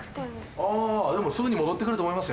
あでもすぐに戻って来ると思いますよ。